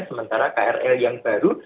sementara krl yang baru